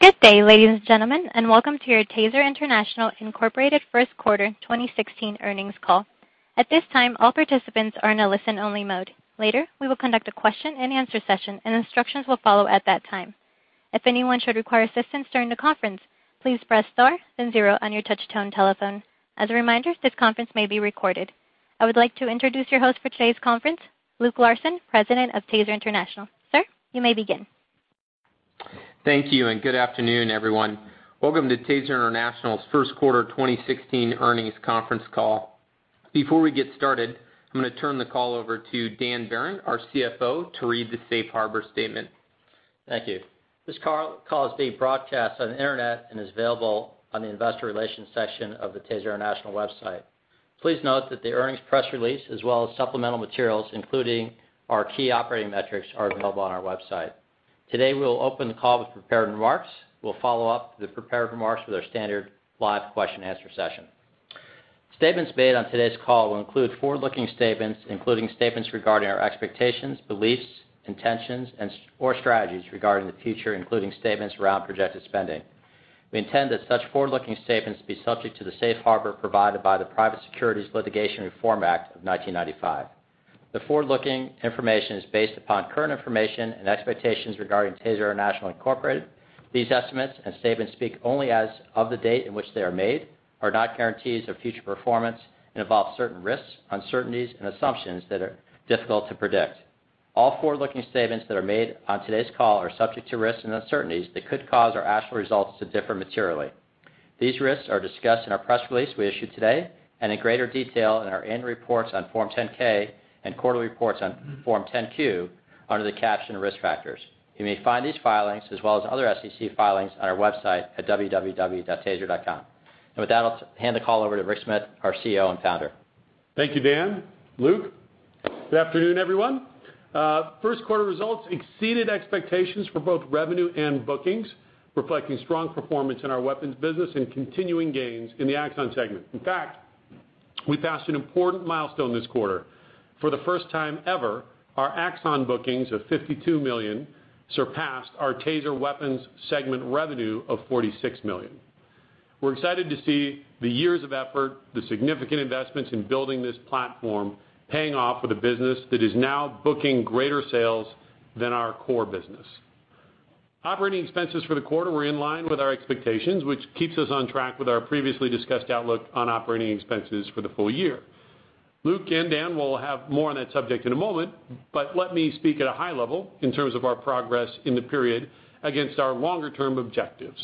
Good day, ladies and gentlemen, welcome to your TASER International, Inc. first quarter 2016 earnings call. At this time, all participants are in a listen-only mode. Later, we will conduct a question-and-answer session, Instructions will follow at that time. If anyone should require assistance during the conference, please press star then zero on your touch-tone telephone. As a reminder, this conference may be recorded. I would like to introduce your host for today's conference, Luke Larson, President of TASER International. Sir, you may begin. Thank you, Good afternoon, everyone. Welcome to TASER International's first quarter 2016 earnings conference call. Before we get started, I'm going to turn the call over to Dan Behrendt, our CFO, to read the safe harbor statement. Thank you. This call is being broadcast on the internet and is available on the investor relations section of the TASER International website. Please note that the earnings press release, as well as supplemental materials, including our key operating metrics, are available on our website. Today, we'll open the call with prepared remarks. We'll follow up the prepared remarks with our standard live question-and-answer session. Statements made on today's call will include forward-looking statements, including statements regarding our expectations, beliefs, intentions, or strategies regarding the future, including statements around projected spending. We intend that such forward-looking statements be subject to the safe harbor provided by the Private Securities Litigation Reform Act of 1995. The forward-looking information is based upon current information and expectations regarding TASER International, Inc.. These estimates, statements speak only as of the date in which they are made, are not guarantees of future performance, involve certain risks, uncertainties, and assumptions that are difficult to predict. All forward-looking statements that are made on today's call are subject to risks and uncertainties that could cause our actual results to differ materially. These risks are discussed in our press release we issued today and in greater detail in our annual reports on Form 10-K and quarterly reports on Form 10-Q under the caption Risk Factors. You may find these filings, as well as other SEC filings, on our website at www.taser.com. With that, I'll hand the call over to Rick Smith, our CEO and founder. Thank you, Dan, Luke. Good afternoon, everyone. First quarter results exceeded expectations for both revenue and bookings, reflecting strong performance in our weapons business and continuing gains in the Axon segment. In fact, we passed an an important milestone this quarter. For the first time ever, our Axon bookings of $52 million surpassed our TASER weapons segment revenue of $46 million. We're excited to see the years of effort, the significant investments in building this platform paying off with a business that is now booking greater sales than our core business. Operating expenses for the quarter were in line with our expectations, which keeps us on track with our previously discussed outlook on operating expenses for the full year. Luke and Dan will have more on that subject in a moment, let me speak at a high level in terms of our progress in the period against our longer-term objectives.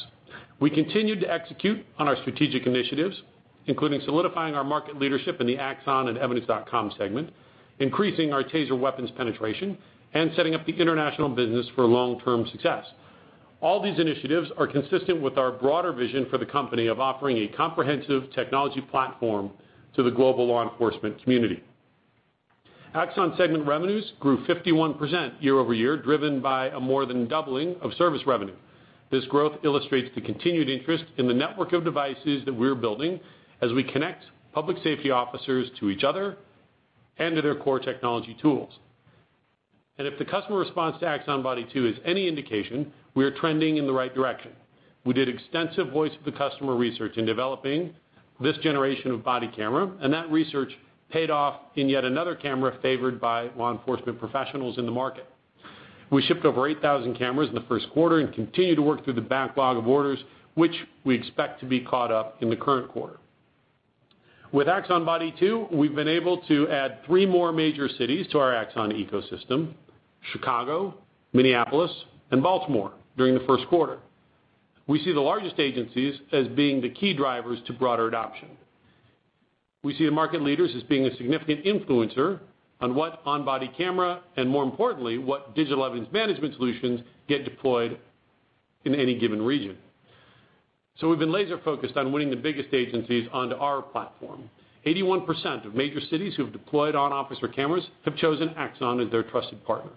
We continued to execute on our strategic initiatives, including solidifying our market leadership in the Axon and Evidence.com segment, increasing our TASER weapons penetration, and setting up the international business for long-term success. All these initiatives are consistent with our broader vision for the company of offering a comprehensive technology platform to the global law enforcement community. Axon segment revenues grew 51% year-over-year, driven by a more than doubling of service revenue. This growth illustrates the continued interest in the network of devices that we're building as we connect public safety officers to each other and to their core technology tools. If the customer response to Axon Body 2 is any indication, we are trending in the right direction. We did extensive voice of the customer research in developing this generation of body camera, that research paid off in yet another camera favored by law enforcement professionals in the market. We shipped over 8,000 cameras in the first quarter and continue to work through the backlog of orders, which we expect to be caught up in the current quarter. With Axon Body 2, we've been able to add three more major cities to our Axon ecosystem, Chicago, Minneapolis, and Baltimore, during the first quarter. We see the largest agencies as being the key drivers to broader adoption. We see the market leaders as being a significant influencer on what on-body camera, and more importantly, what digital evidence management solutions get deployed in any given region. We've been laser-focused on winning the biggest agencies onto our platform. 81% of major cities who have deployed on-officer cameras have chosen Axon as their trusted partner.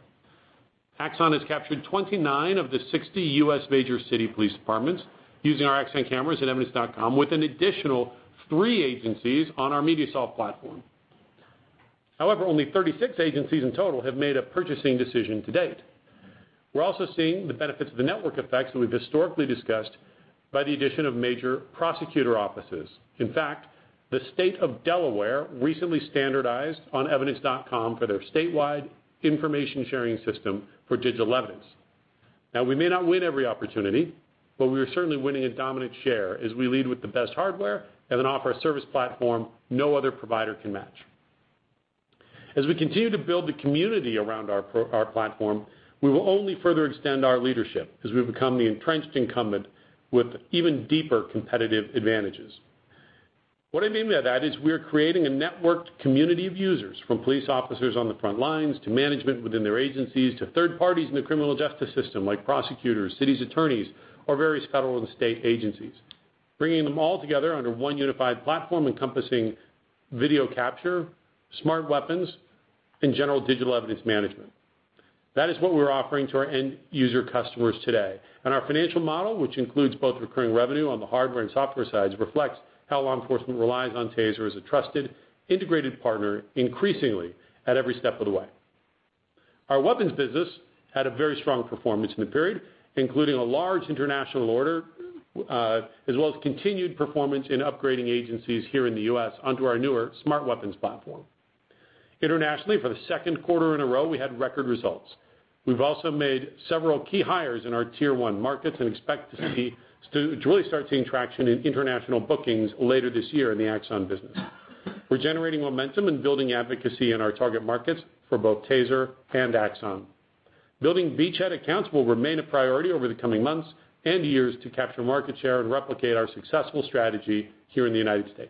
Axon has captured 29 of the 60 U.S. major city police departments using our Axon cameras and Evidence.com, with an additional three agencies on our MediaSolv platform. However, only 36 agencies in total have made a purchasing decision to date. We're also seeing the benefits of the network effects that we've historically discussed by the addition of major prosecutor offices. In fact, the state of Delaware recently standardized on Evidence.com for their statewide information-sharing system for digital evidence. Now, we may not win every opportunity, we are certainly winning a dominant share as we lead with the best hardware and then offer a service platform no other provider can match. As we continue to build the community around our platform, we will only further extend our leadership as we become the entrenched incumbent with even deeper competitive advantages. What I mean by that is we're creating a networked community of users, from police officers on the front lines to management within their agencies to third parties in the criminal justice system, like prosecutors, cities' attorneys, or various federal and state agencies, bringing them all together under one unified platform encompassing video capture, TASER Smart Weapons, and general digital evidence management. That is what we're offering to our end-user customers today. Our financial model, which includes both recurring revenue on the hardware and software sides, reflects how law enforcement relies on TASER as a trusted, integrated partner increasingly at every step of the way. Our weapons business had a very strong performance in the period, including a large international order, as well as continued performance in upgrading agencies here in the U.S. onto our newer TASER Smart Weapons platform. Internationally, for the second quarter in a row, we had record results. We've also made several key hires in our tier 1 markets and expect to really start seeing traction in international bookings later this year in the Axon business. We're generating momentum and building advocacy in our target markets for both TASER and Axon. Building beachhead accounts will remain a priority over the coming months and years to capture market share and replicate our successful strategy here in the U.S.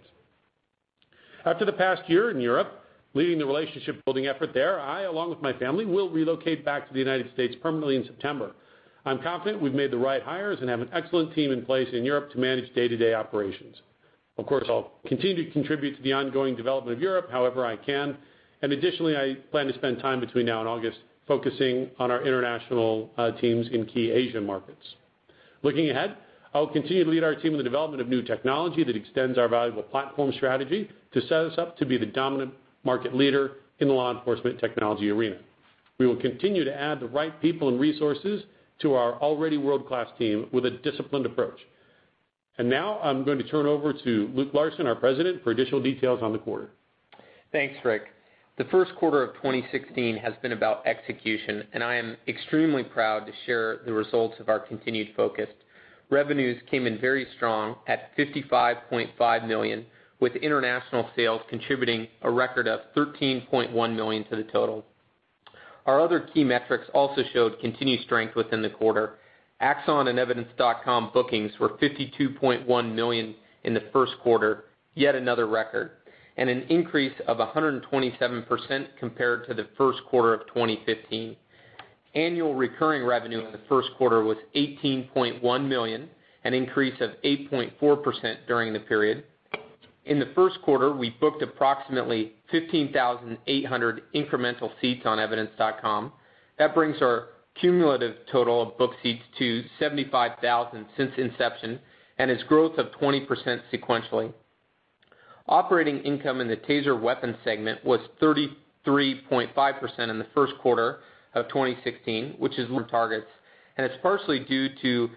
After the past year in Europe, leading the relationship building effort there, I along with my family, will relocate back to the U.S. permanently in September. I'm confident we've made the right hires and have an excellent team in place in Europe to manage day-to-day operations. Of course, I'll continue to contribute to the ongoing development of Europe however I can, additionally, I plan to spend time between now and August focusing on our international teams in key Asian markets. Looking ahead, I will continue to lead our team in the development of new technology that extends our valuable platform strategy to set us up to be the dominant market leader in the law enforcement technology arena. We will continue to add the right people and resources to our already world-class team with a disciplined approach. Now I'm going to turn it over to Luke Larson, President, for additional details on the quarter. Thanks, Rick. The first quarter of 2016 has been about execution, and I am extremely proud to share the results of our continued focus. Revenues came in very strong at $55.5 million, with international sales contributing a record of $13.1 million to the total. Our other key metrics also showed continued strength within the quarter. Axon and Evidence.com bookings were $52.1 million in the first quarter, yet another record, and an increase of 127% compared to the first quarter of 2015. annual recurring revenue in the first quarter was $18.1 million, an increase of 8.4% during the period. In the first quarter, we booked approximately 15,800 incremental seats on Evidence.com. That brings our cumulative total of booked seats to 75,000 since inception and is growth of 20% sequentially. Operating income in the TASER weapons segment was 33.5% in the first quarter of 2016, which is targets. It's partially due to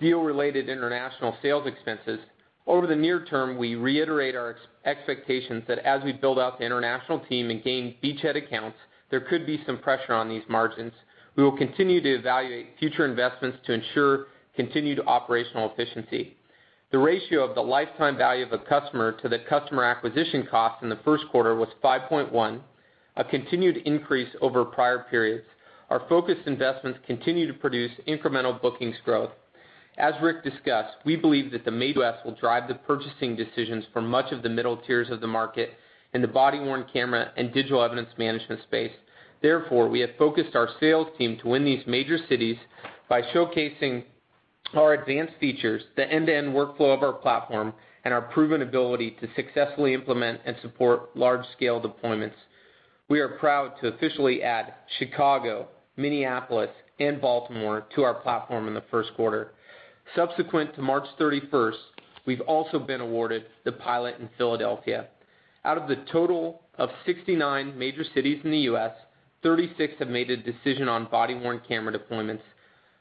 deal-related international sales expenses. Over the near term, we reiterate our expectations that as we build out the international team and gain beachhead accounts, there could be some pressure on these margins. We will continue to evaluate future investments to ensure continued operational efficiency. The ratio of the lifetime value of a customer to the customer acquisition cost in the first quarter was 5.1, a continued increase over prior periods. Our focused investments continue to produce incremental bookings growth. As Rick discussed, we believe that the major cities will drive the purchasing decisions for much of the middle tiers of the market in the body-worn camera and digital evidence management space. We have focused our sales team to win these major cities by showcasing our advanced features, the end-to-end workflow of our platform, and our proven ability to successfully implement and support large-scale deployments. We are proud to officially add Chicago, Minneapolis, and Baltimore to our platform in the first quarter. Subsequent to March 31st, we've also been awarded the pilot in Philadelphia. Out of the total of 69 major cities in the U.S., 36 have made a decision on body-worn camera deployments.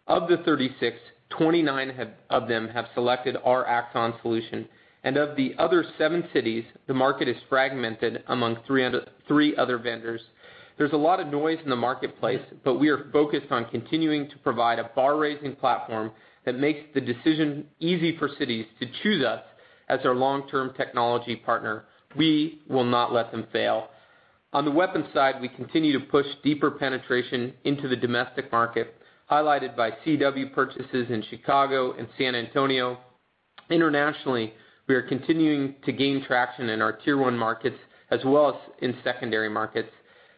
Of the 36, 29 of them have selected our Axon solution. Of the other seven cities, the market is fragmented among three other vendors. There's a lot of noise in the marketplace, we are focused on continuing to provide a bar-raising platform that makes the decision easy for cities to choose us as their long-term technology partner. We will not let them fail. On the weapons side, we continue to push deeper penetration into the domestic market, highlighted by CEW purchases in Chicago and San Antonio. Internationally, we are continuing to gain traction in our tier 1 markets as well as in secondary markets.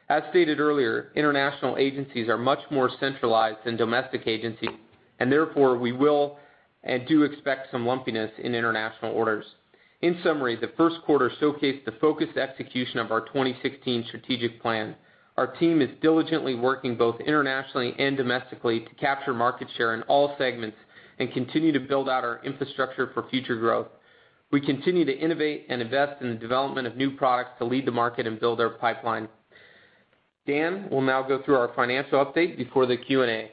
As stated earlier, international agencies are much more centralized than domestic agencies. Therefore, we will and do expect some lumpiness in international orders. In summary, the first quarter showcased the focused execution of our 2016 strategic plan. Our team is diligently working both internationally and domestically to capture market share in all segments and continue to build out our infrastructure for future growth. We continue to innovate and invest in the development of new products to lead the market and build our pipeline. Dan will now go through our financial update before the Q&A.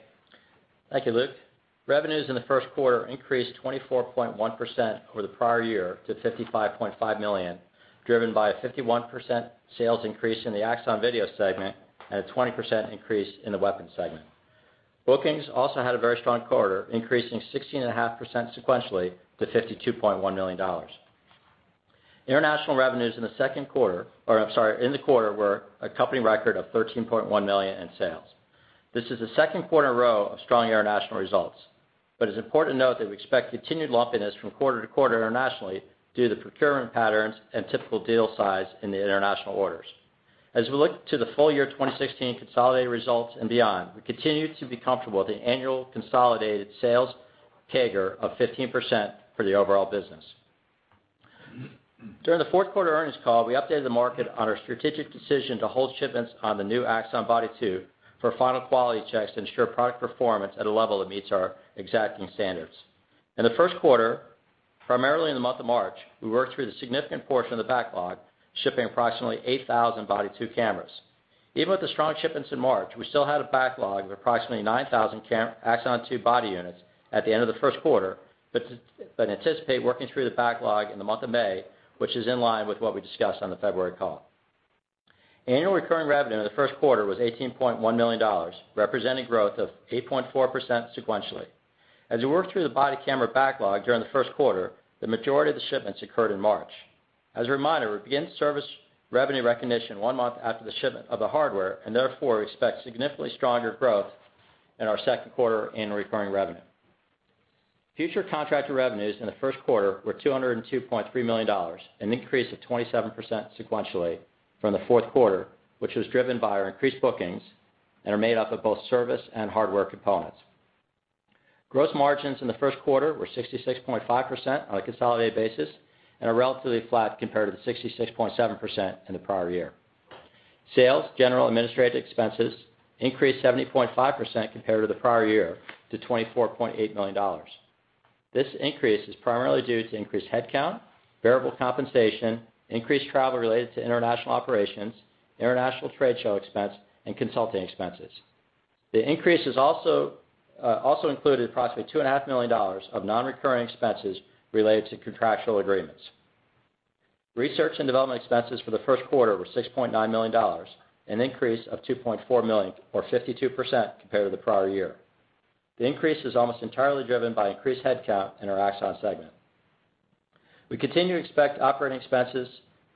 Thank you, Luke. Revenues in the first quarter increased 24.1% over the prior year to $55.5 million, driven by a 51% sales increase in the Axon Video segment and a 20% increase in the weapons segment. Bookings also had a very strong quarter, increasing 16.5% sequentially to $52.1 million. International revenues in the quarter were a company record of $13.1 million in sales. This is the second quarter in a row of strong international results. It's important to note that we expect continued lumpiness from quarter to quarter internationally due to the procurement patterns and typical deal size in the international orders. As we look to the full year 2016 consolidated results and beyond, we continue to be comfortable with the annual consolidated sales CAGR of 15% for the overall business. During the fourth quarter earnings call, we updated the market on our strategic decision to hold shipments on the new Axon Body 2 for final quality checks to ensure product performance at a level that meets our exacting standards. In the first quarter- Primarily in the month of March, we worked through the significant portion of the backlog, shipping approximately 8,000 Body 2 cameras. Even with the strong shipments in March, we still had a backlog of approximately 9,000 Axon Body 2 units at the end of the first quarter, but anticipate working through the backlog in the month of May, which is in line with what we discussed on the February call. Annual recurring revenue in the first quarter was $18.1 million, representing growth of 8.4% sequentially. As we worked through the body camera backlog during the first quarter, the majority of the shipments occurred in March. As a reminder, we begin to service revenue recognition one month after the shipment of the hardware, and therefore, we expect significantly stronger growth in our second quarter in recurring revenue. Future contracted revenues in the first quarter were $202.3 million, an increase of 27% sequentially from the fourth quarter, which was driven by our increased bookings and are made up of both service and hardware components. Gross margins in the first quarter were 66.5% on a consolidated basis and are relatively flat compared to the 66.7% in the prior year. Sales, general, and administrative expenses increased 70.5% compared to the prior year to $24.8 million. This increase is primarily due to increased headcount, variable compensation, increased travel related to international operations, international trade show expense, and consulting expenses. The increase has also included approximately $2.5 million of non-recurring expenses related to contractual agreements. Research and development expenses for the first quarter were $6.9 million, an increase of $2.4 million or 52% compared to the prior year. The increase is almost entirely driven by increased headcount in our Axon segment. We continue to expect operating expenses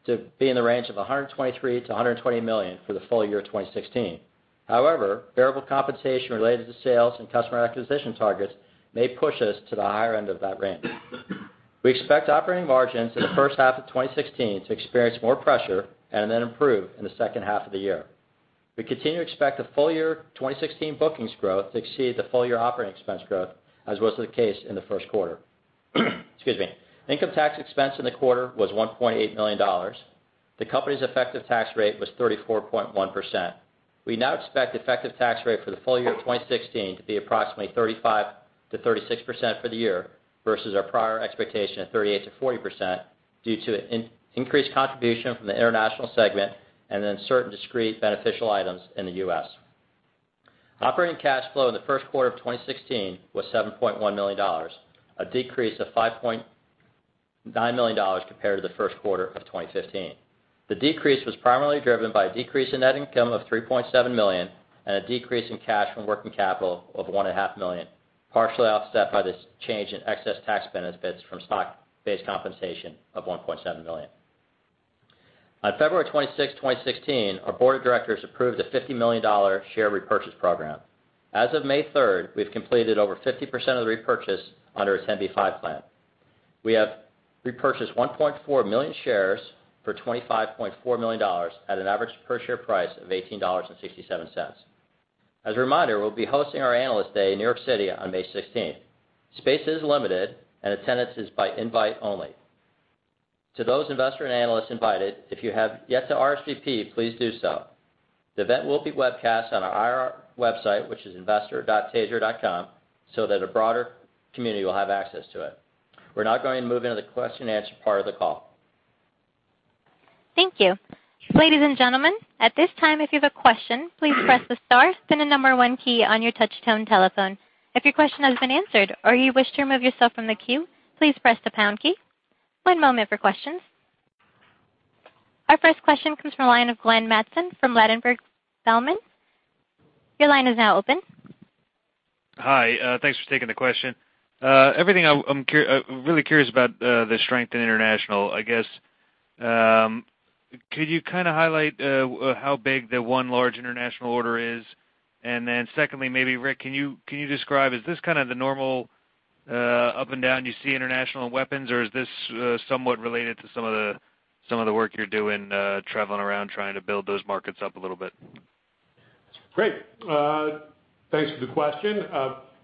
to be in the range of $123 million-$120 million for the full year of 2016. However, variable compensation related to sales and customer acquisition targets may push us to the higher end of that range. We expect operating margins in the first half of 2016 to experience more pressure, then improve in the second half of the year. We continue to expect the full year 2016 bookings growth to exceed the full-year operating expense growth, as was the case in the first quarter. Excuse me. Income tax expense in the quarter was $1.8 million. The company's effective tax rate was 34.1%. We now expect the effective tax rate for the full year of 2016 to be approximately 35%-36% for the year versus our prior expectation of 38%-40% due to increased contribution from the international segment and certain discrete beneficial items in the U.S. Operating cash flow in the first quarter of 2016 was $7.1 million, a decrease of $5.9 million compared to the first quarter of 2015. The decrease was primarily driven by a decrease in net income of $3.7 million and a decrease in cash from working capital of $1.5 million, partially offset by this change in excess tax benefits from stock-based compensation of $1.7 million. On February 26, 2016, our board of directors approved a $50 million share repurchase program. As of May 3rd, we've completed over 50% of the repurchase under a 10b5 plan. We have repurchased 1.4 million shares for $25.4 million at an average per share price of $18.67. As a reminder, we'll be hosting our Analyst Day in New York City on May 16th. Space is limited, and attendance is by invite only. To those investors and analysts invited, if you have yet to RSVP, please do so. The event will be webcast on our IR website, which is investor.taser.com, so that a broader community will have access to it. We're now going to move into the question and answer part of the call. Thank you. Ladies and gentlemen, at this time, if you have a question, please press the star, then the number one key on your touch tone telephone. If your question has been answered or you wish to remove yourself from the queue, please press the pound key. One moment for questions. Our first question comes from the line of Glenn Mattson from Ladenburg Thalmann. Your line is now open. Hi. Thanks for taking the question. I'm really curious about the strength in international. I guess, could you kind of highlight how big the one large international order is? Secondly, maybe Rick, can you describe, is this kind of the normal up and down you see international in weapons, or is this somewhat related to some of the work you're doing, traveling around trying to build those markets up a little bit? Great. Thanks for the question.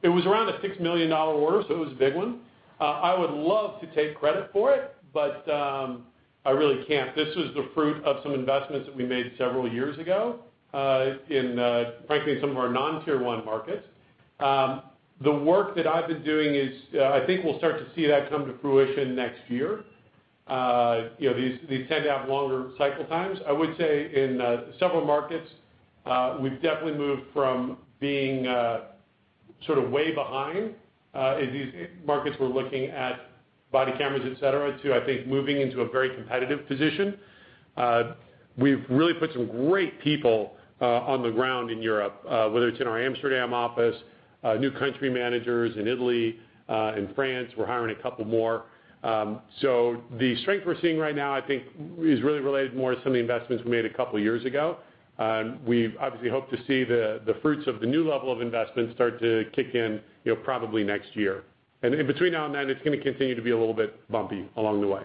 It was around a $6 million order, so it was a big one. I would love to take credit for it, but I really can't. This was the fruit of some investments that we made several years ago, in frankly, some of our non-tier 1 markets. The work that I've been doing is, I think we'll start to see that come to fruition next year. These tend to have longer cycle times. I would say in several markets, we've definitely moved from being sort of way behind in these markets we're looking at body cameras, et cetera, to, I think, moving into a very competitive position. We've really put some great people on the ground in Europe, whether it's in our Amsterdam office, new country managers in Italy, in France, we're hiring a couple more. The strength we're seeing right now, I think is really related more to some of the investments we made a couple of years ago. We obviously hope to see the fruits of the new level of investments start to kick in probably next year. In between now and then, it's going to continue to be a little bit bumpy along the way.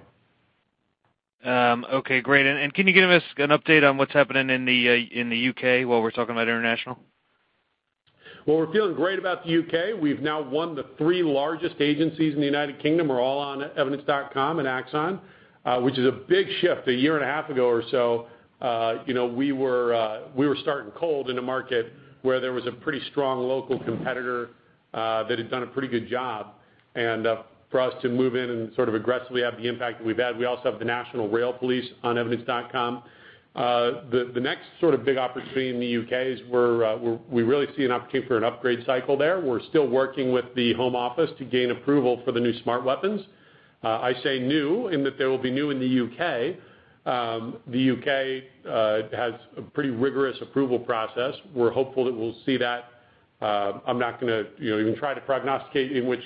Okay, great. Can you give us an update on what's happening in the U.K. while we're talking about international? Well, we're feeling great about the U.K. We've now won the three largest agencies in the United Kingdom, are all on Evidence.com and Axon. Which is a big shift. A year and a half ago or so, we were starting cold in a market where there was a pretty strong local competitor that had done a pretty good job. For us to move in and sort of aggressively have the impact that we've had. We also have the British Transport Police on Evidence.com. The next sort of big opportunity in the U.K. is we really see an opportunity for an upgrade cycle there. We're still working with the Home Office to gain approval for the new Smart Weapons. I say new, in that they will be new in the U.K. The U.K. has a pretty rigorous approval process. We're hopeful that we'll see that. I'm not going to even try to prognosticate in which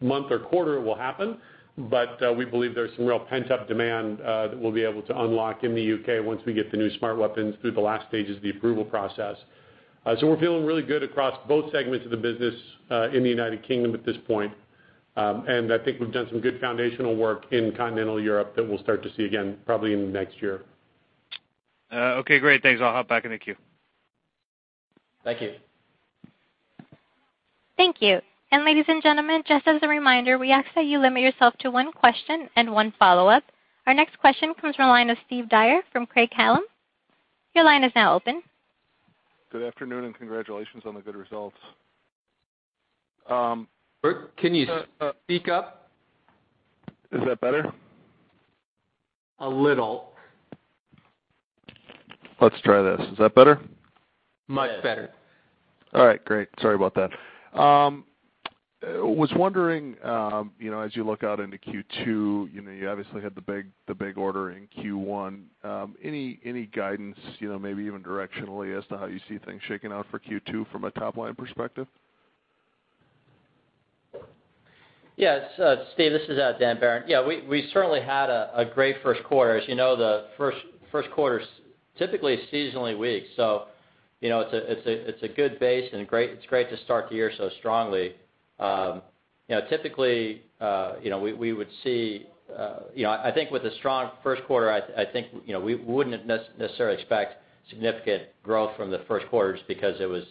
month or quarter it will happen. We believe there's some real pent-up demand that we'll be able to unlock in the U.K. once we get the new Smart Weapons through the last stages of the approval process. We're feeling really good across both segments of the business, in the United Kingdom at this point. I think we've done some good foundational work in continental Europe that we'll start to see again probably in the next year. Okay, great. Thanks, I'll hop back in the queue. Thank you. Thank you. Ladies and gentlemen, just as a reminder, we ask that you limit yourself to one question and one follow-up. Our next question comes from the line of Steve Dyer from Craig-Hallum. Your line is now open. Good afternoon, congratulations on the good results. Brooke, can you speak up? Is that better? A little. Let's try this. Is that better? Much better. Yes. All right, great. Sorry about that. Was wondering, as you look out into Q2, you obviously had the big order in Q1. Any guidance, maybe even directionally, as to how you see things shaking out for Q2 from a top-line perspective? Yes, Steve, this is Dan Behrendt. We certainly had a great first quarter. As you know, the first quarter's typically seasonally weak, so it's a good base and it's great to start the year so strongly. Typically, I think with a strong first quarter, I think we wouldn't necessarily expect significant growth from the first quarter just because it was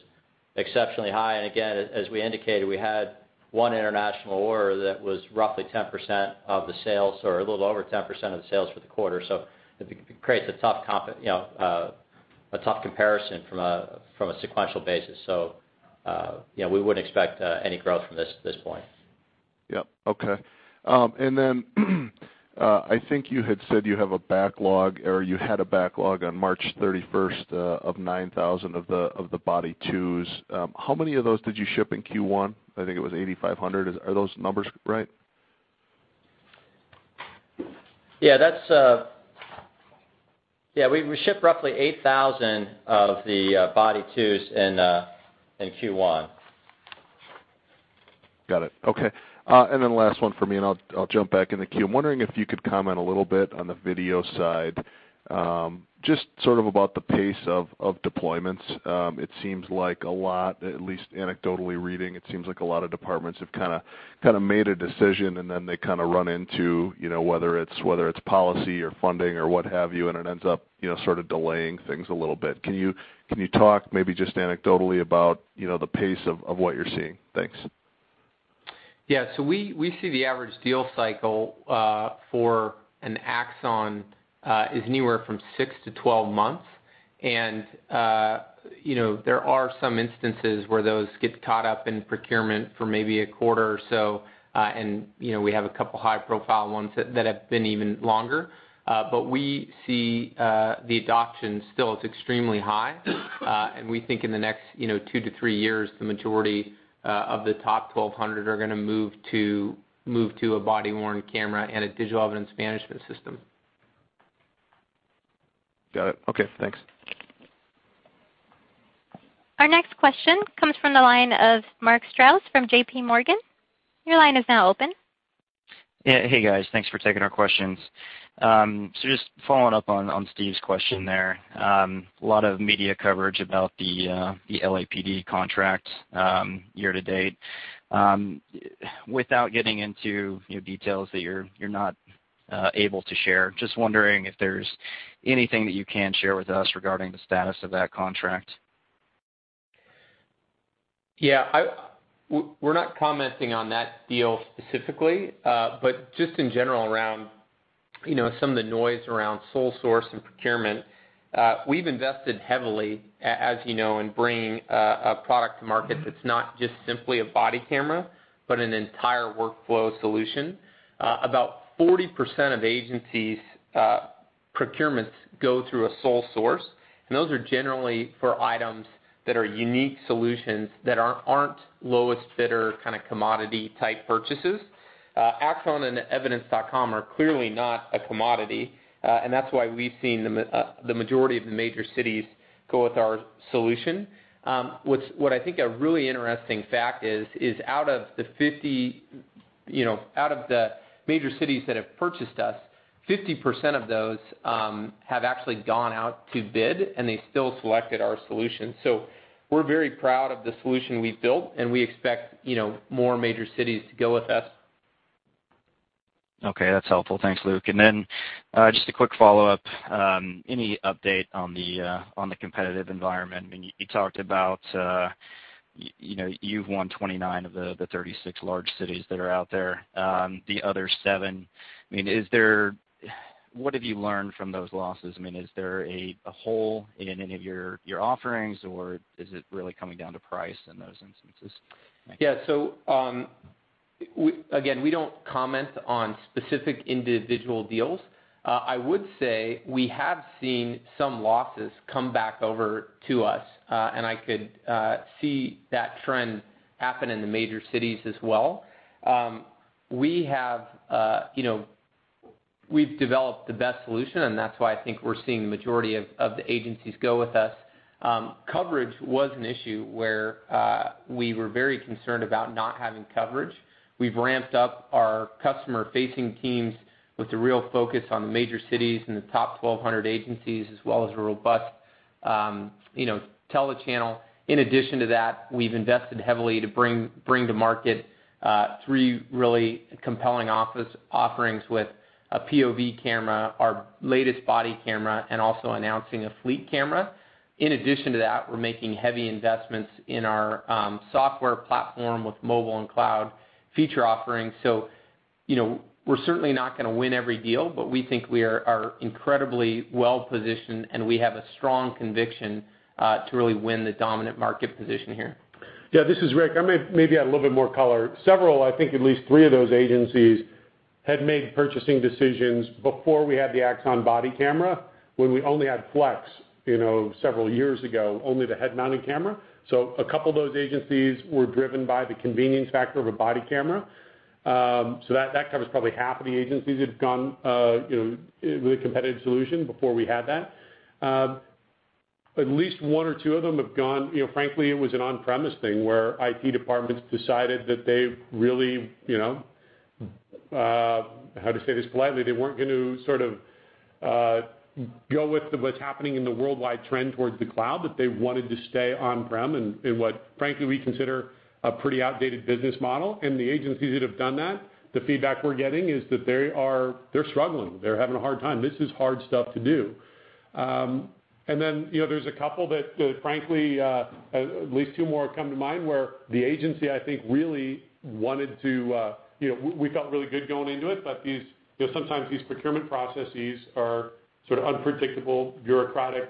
exceptionally high. Again, as we indicated, we had one international order that was roughly 10% of the sales, or a little over 10% of the sales for the quarter. It creates a tough comparison from a sequential basis. We wouldn't expect any growth from this point. Yep. Okay. Then, I think you had said you have a backlog, or you had a backlog on March 31st of 9,000 of the Body 2s. How many of those did you ship in Q1? I think it was 8,500. Are those numbers right? We shipped roughly 8,000 of the Body 2s in Q1. Got it. Okay. Then last one from me, and I'll jump back in the queue. I'm wondering if you could comment a little bit on the video side, just sort of about the pace of deployments. It seems like a lot, at least anecdotally reading, it seems like a lot of departments have kind of made a decision, and then they kind of run into whether it's policy or funding or what have you, and it ends up sort of delaying things a little bit. Can you talk maybe just anecdotally about the pace of what you're seeing? Thanks. Yeah. We see the average deal cycle for an Axon, is anywhere from six to 12 months. There are some instances where those get caught up in procurement for maybe a quarter or so. We have a couple high-profile ones that have been even longer. We see the adoption still is extremely high. We think in the next two to three years, the majority of the top 1,200 are going to move to a body-worn camera and a digital evidence management system. Got it. Okay, thanks. Our next question comes from the line of Mark Strouse from JPMorgan. Your line is now open. Yeah. Hey, guys. Thanks for taking our questions. Just following up on Steve's question there. A lot of media coverage about the LAPD contract year to date. Without getting into details that you're not able to share, just wondering if there's anything that you can share with us regarding the status of that contract. Yeah. We're not commenting on that deal specifically. Just in general, around some of the noise around sole source and procurement, we've invested heavily, as you know, in bringing a product to market that's not just simply a body camera, but an entire workflow solution. About 40% of agencies' procurements go through a sole source, and those are generally for items that are unique solutions that aren't lowest bidder kind of commodity-type purchases. Axon and Evidence.com are clearly not a commodity, and that's why we've seen the majority of the major cities go with our solution. What I think a really interesting fact is out of the major cities that have purchased us, 50% of those have actually gone out to bid, and they still selected our solution. We're very proud of the solution we've built, and we expect more major cities to go with us. Okay, that's helpful. Thanks, Luke. Just a quick follow-up. Any update on the competitive environment? You talked about you've won 29 of the 36 large cities that are out there. The other seven, is there What have you learned from those losses? Is there a hole in any of your offerings, or is it really coming down to price in those instances? Thank you. Yeah. Again, we don't comment on specific individual deals. I would say we have seen some losses come back over to us. I could see that trend happen in the major cities as well. We've developed the best solution, and that's why I think we're seeing the majority of the agencies go with us. Coverage was an issue where we were very concerned about not having coverage. We've ramped up our customer-facing teams with the real focus on the major cities and the top 1,200 agencies as well as a robust tele-channel. In addition to that, we've invested heavily to bring to market three really compelling officer offerings with a POV camera, our latest body camera, and also announcing a Axon Fleet. In addition to that, we're making heavy investments in our software platform with mobile and cloud feature offerings. We're certainly not going to win every deal, but we think we are incredibly well-positioned, and we have a strong conviction to really win the dominant market position here. Yeah, this is Rick. I'm going to maybe add a little bit more color. Several, I think at least three of those agencies had made purchasing decisions before we had the Axon body camera, when we only had Flex several years ago, only the head-mounted camera. A couple of those agencies were driven by the convenience factor of a body camera. That covers probably half of the agencies that have gone with a competitive solution before we had that. At least one or two of them have gone, frankly, it was an on-premise thing where IT departments decided that they really, how to say this politely, they weren't going to sort of go with what's happening in the worldwide trend towards the cloud, that they wanted to stay on-prem in what frankly we consider a pretty outdated business model. The agencies that have done that, the feedback we're getting is that they're struggling. They're having a hard time. This is hard stuff to do. There's a couple that, frankly, at least two more come to mind. We felt really good going into it, but sometimes these procurement processes are sort of unpredictable bureaucratic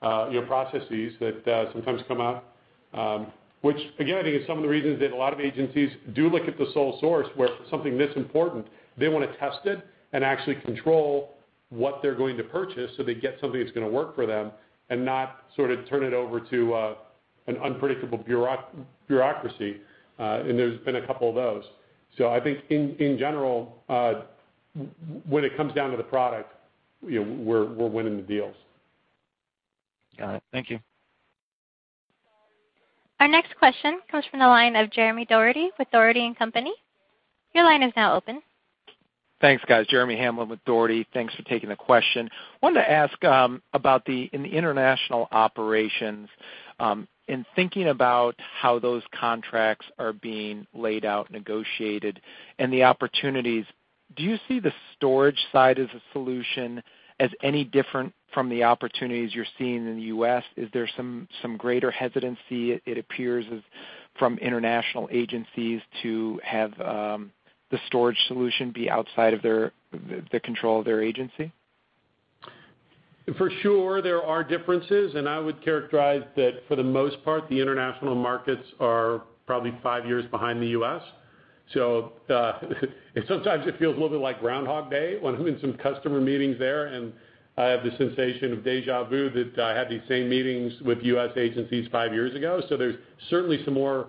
processes that sometimes come out. Which again, I think is some of the reasons that a lot of agencies do look at the sole source where for something this important, they want to test it and actually control what they're going to purchase so they get something that's going to work for them and not sort of turn it over to an unpredictable bureaucracy. There's been a couple of those. I think in general, when it comes down to the product, we're winning the deals. Got it. Thank you. Our next question comes from the line of Jeremy Hamblin with Dougherty & Company. Your line is now open. Thanks, guys. Jeremy Hamblin with Dougherty. Thanks for taking the question. Wanted to ask about in the international operations, in thinking about how those contracts are being laid out, negotiated, and the opportunities, do you see the storage side as a solution, as any different from the opportunities you're seeing in the U.S.? Is there some greater hesitancy it appears from international agencies to have the storage solution be outside of the control of their agency? For sure there are differences. I would characterize that for the most part, the international markets are probably five years behind the U.S. Sometimes it feels a little bit like "Groundhog Day" when I'm in some customer meetings there. I have the sensation of deja vu that I had these same meetings with U.S. agencies five years ago. There's certainly some more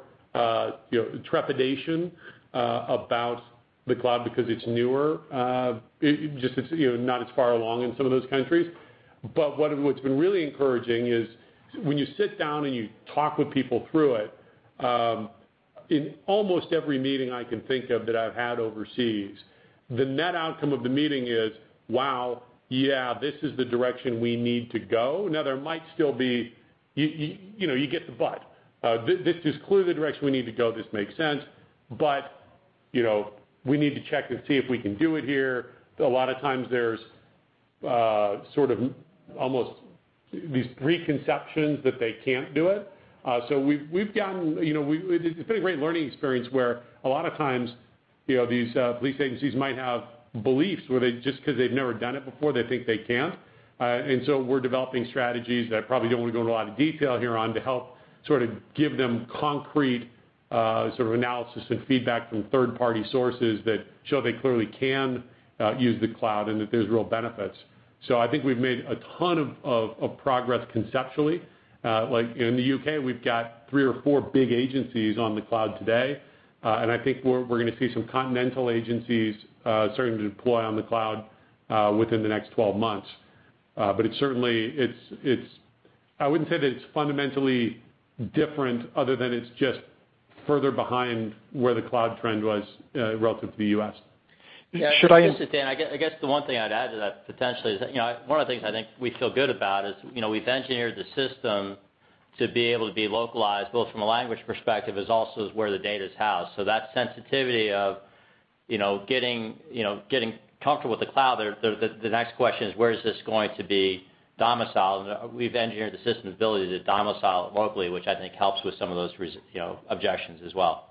trepidation about the cloud because it's newer. Just it's not as far along in some of those countries. What's been really encouraging is when you sit down and you talk with people through it, in almost every meeting I can think of that I've had overseas, the net outcome of the meeting is, "Wow. Yeah, this is the direction we need to go." Now there might still be You get the but. This is clearly the direction we need to go. This makes sense. We need to check to see if we can do it here. A lot of times there's sort of almost these preconceptions that they can't do it. We're developing strategies that I probably don't want to go into a lot of detail here on to help sort of give them concrete sort of analysis and feedback from third-party sources that show they clearly can use the cloud and that there's real benefits. I think we've made a ton of progress conceptually. Like in the U.K., we've got three or four big agencies on the cloud today. I think we're going to see some continental agencies starting to deploy on the cloud within the next 12 months. I wouldn't say that it's fundamentally different other than it's just further behind where the cloud trend was relative to the U.S. Should I? Just to add, I guess the one thing I'd add to that potentially is that one of the things I think we feel good about is we've engineered the system to be able to be localized both from a language perspective as also as where the data's housed. That sensitivity of getting comfortable with the cloud, the next question is where is this going to be domiciled? We've engineered the system's ability to domicile it locally, which I think helps with some of those objections as well.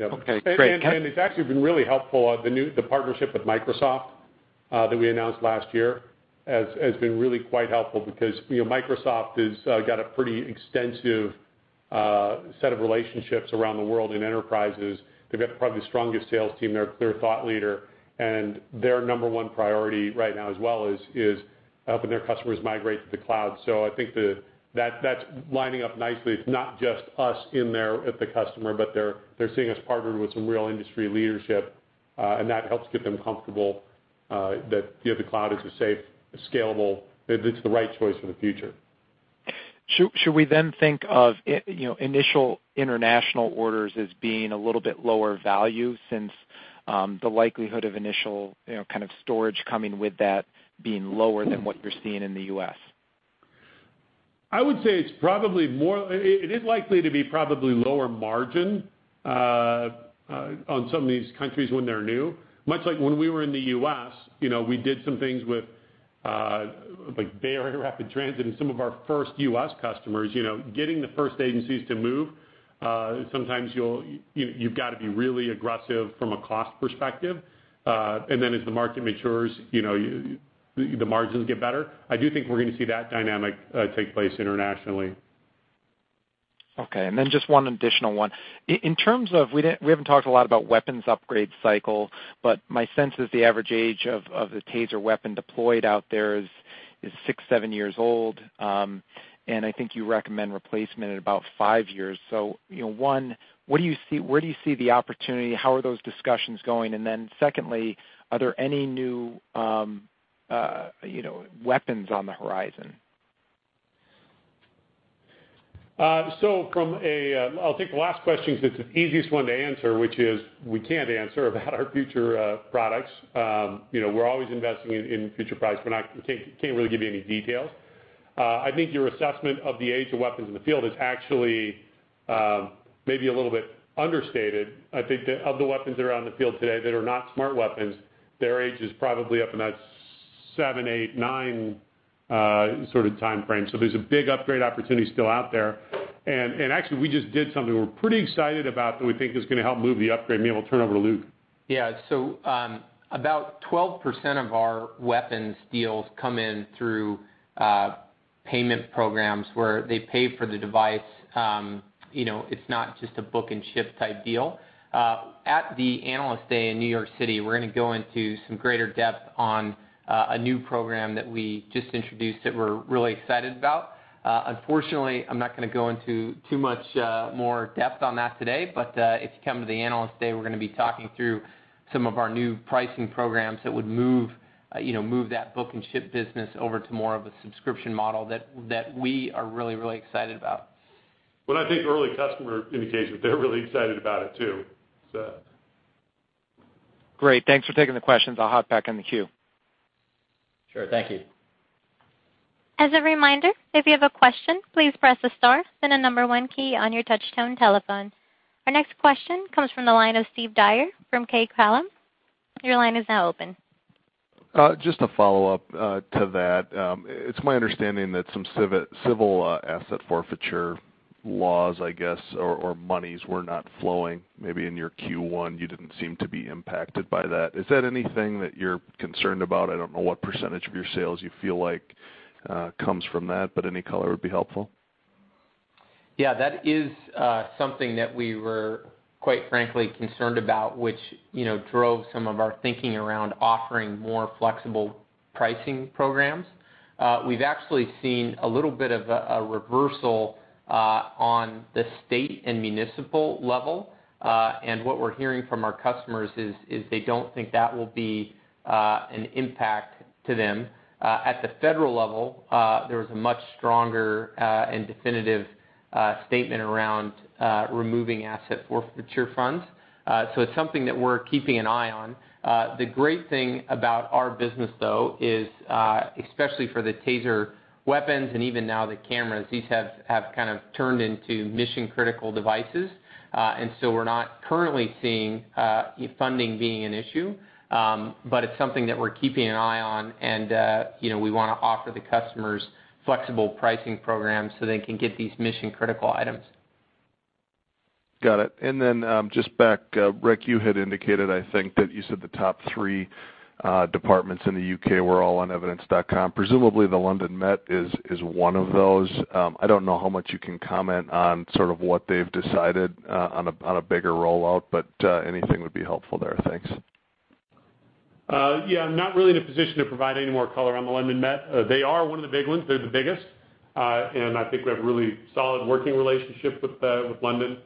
Okay, great. It's actually been really helpful, the partnership with Microsoft that we announced last year has been really quite helpful because Microsoft has got a pretty extensive set of relationships around the world in enterprises. They've got probably the strongest sales team there. They're a thought leader, and their number one priority right now as well is helping their customers migrate to the cloud. I think that's lining up nicely. It's not just us in there with the customer, but they're seeing us partnered with some real industry leadership, and that helps get them comfortable that the cloud is a safe, scalable. It's the right choice for the future. Should we then think of initial international orders as being a little bit lower value since the likelihood of initial kind of storage coming with that being lower than what you're seeing in the U.S.? I would say it is likely to be probably lower margin on some of these countries when they're new. Much like when we were in the U.S., we did some things with Bay Area Rapid Transit and some of our first U.S. customers. Getting the first agencies to move, sometimes you've got to be really aggressive from a cost perspective. Then as the market matures, the margins get better. I do think we're going to see that dynamic take place internationally. Okay, then just one additional one. In terms of, we haven't talked a lot about weapons upgrade cycle, but my sense is the average age of the TASER weapon deployed out there is six, seven years old. I think you recommend replacement at about five years. One, where do you see the opportunity? How are those discussions going? Secondly, are there any new weapons on the horizon? I'll take the last question because it's the easiest one to answer, which is we can't answer about our future products. We're always investing in future products. We can't really give you any details. I think your assessment of the age of weapons in the field is actually maybe a little bit understated. I think that of the weapons that are out in the field today that are not Smart Weapons, their age is probably up in that seven, eight, nine sort of timeframe. There's a big upgrade opportunity still out there. Actually, we just did something we're pretty excited about that we think is going to help move the upgrade. Maybe I'll turn it over to Luke. Yeah. About 12% of our weapons deals come in through payment programs where they pay for the device. It's not just a book and ship type deal. At the Analyst Day in New York City, we're going to go into some greater depth on a new program that we just introduced that we're really excited about. Unfortunately, I'm not going to go into too much more depth on that today. If you come to the Analyst Day, we're going to be talking through some of our new pricing programs that would move that book and ship business over to more of a subscription model that we are really, really excited about. Well, I think early customer indications, they're really excited about it too. Great. Thanks for taking the questions. I'll hop back on the queue. Sure. Thank you. As a reminder, if you have a question, please press the star, then the 1 key on your touch tone telephone. Our next question comes from the line of Steve Dyer from Craig-Hallum. Your line is now open. Just a follow-up to that. It's my understanding that some civil asset forfeiture laws, I guess, or monies were not flowing. Maybe in your Q1, you didn't seem to be impacted by that. Is that anything that you're concerned about? I don't know what % of your sales you feel like comes from that, but any color would be helpful. That is something that we were, quite frankly, concerned about, which drove some of our thinking around offering more flexible pricing programs. We've actually seen a little bit of a reversal on the state and municipal level. What we're hearing from our customers is they don't think that will be an impact to them. At the federal level, there was a much stronger and definitive statement around removing asset forfeiture funds. It's something that we're keeping an eye on. The great thing about our business, though, is especially for the TASER weapons and even now the cameras, these have kind of turned into mission-critical devices. We're not currently seeing funding being an issue. It's something that we're keeping an eye on, and we want to offer the customers flexible pricing programs so they can get these mission-critical items. Got it. Just back, Rick, you had indicated, I think that you said the top three departments in the U.K. were all on Evidence.com. Presumably, the London Met is one of those. I don't know how much you can comment on sort of what they've decided on a bigger rollout, but anything would be helpful there. Thanks. Yeah, I'm not really in a position to provide any more color on the London Met. They are one of the big ones. They're the biggest. I think we have a really solid working relationship with London.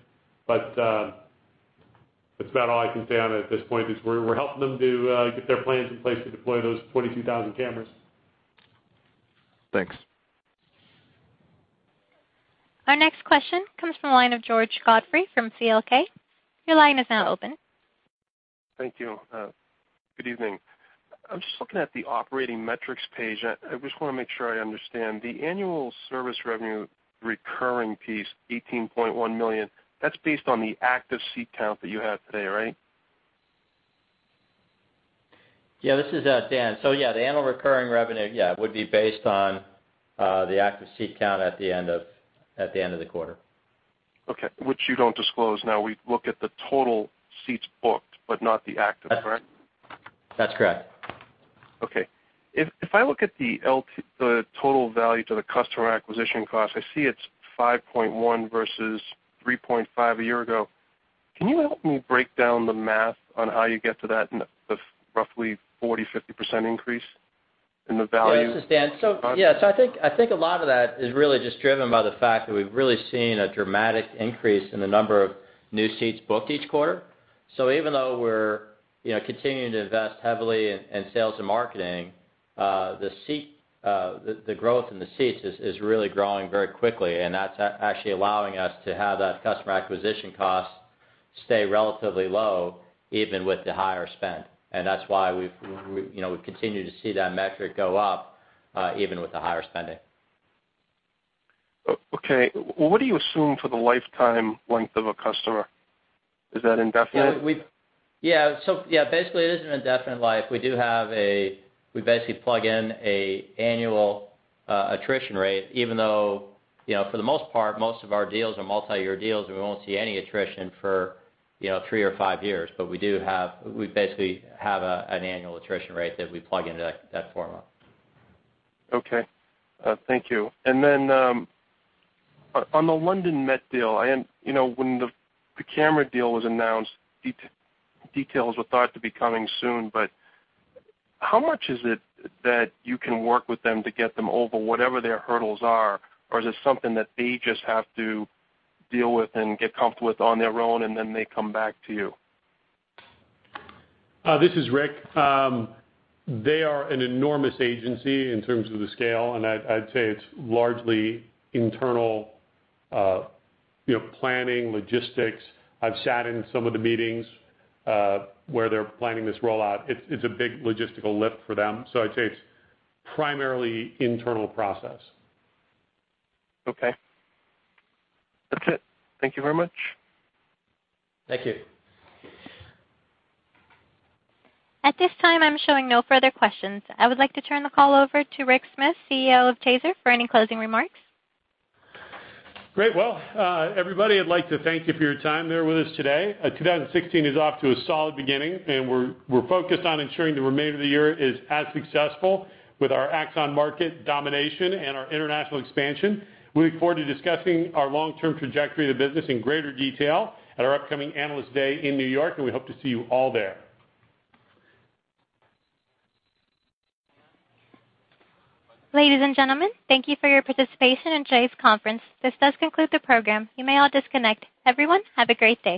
That's about all I can say on it at this point is we're helping them to get their plans in place to deploy those 22,000 cameras. Thanks. Our next question comes from the line of George Godfrey from CLK. Your line is now open. Thank you. Good evening. I'm just looking at the operating metrics page. I just want to make sure I understand. The annual service revenue recurring piece, $18.1 million, that's based on the active seat count that you have today, right? Yeah, this is Dan. Yeah, the annual recurring revenue would be based on the active seat count at the end of the quarter. Okay, which you don't disclose now. We look at the total seats booked but not the active, correct? That's correct. Okay. If I look at the total value to the customer acquisition cost, I see it's 5.1 versus 3.5 a year ago. Can you help me break down the math on how you get to that roughly 40%-50% increase in the value? Yeah, this is Dan. Yes, I think a lot of that is really just driven by the fact that we've really seen a dramatic increase in the number of new seats booked each quarter. Even though we're continuing to invest heavily in sales and marketing, the growth in the seats is really growing very quickly, and that's actually allowing us to have that customer acquisition cost stay relatively low even with the higher spend. That's why we've continued to see that metric go up, even with the higher spending. Okay. What do you assume for the lifetime length of a customer? Is that indefinite? Yeah. Basically, it is an indefinite life. We basically plug in a annual attrition rate, even though, for the most part, most of our deals are multi-year deals, and we won't see any attrition for three or five years. We basically have an annual attrition rate that we plug into that formula. Okay. Thank you. Then, on the London Met deal, when the camera deal was announced, details were thought to be coming soon, but how much is it that you can work with them to get them over whatever their hurdles are? Is this something that they just have to deal with and get comfortable with on their own, and then they come back to you? This is Rick. They are an enormous agency in terms of the scale, and I'd say it's largely internal planning, logistics. I've sat in some of the meetings, where they're planning this rollout. It's a big logistical lift for them. I'd say it's primarily internal process. Okay. That's it. Thank you very much. Thank you. At this time, I'm showing no further questions. I would like to turn the call over to Rick Smith, CEO of TASER, for any closing remarks. Great. Well, everybody, I'd like to thank you for your time there with us today. 2016 is off to a solid beginning, and we're focused on ensuring the remainder of the year is as successful with our Axon market domination and our international expansion. We look forward to discussing our long-term trajectory of the business in greater detail at our upcoming Analyst Day in New York, and we hope to see you all there. Ladies and gentlemen, thank you for your participation in today's conference. This does conclude the program. You may all disconnect. Everyone, have a great day.